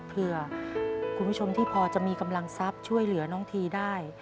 เพื่อคุณผู้ชมที่พอจะมีกำลังทรัพย์ช่วยเหลือน้องทีได้